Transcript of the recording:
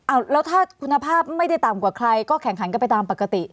เอาแล้วถ้าคุณภาพไม่ได้ต่ำกว่าใครก็แข่งขันกันไปตามปกติ